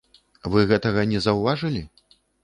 Вы гэтага не заўважылі?